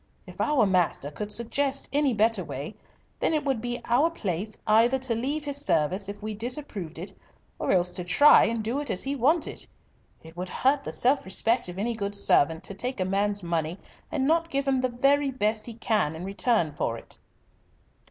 If our master could suggest any better way, then it would be our place either to leave his service if we disapproved it, or else to try and do it as he wanted. It would hurt the self respect of any good servant to take a man's money and not give him the very best he can in return for it."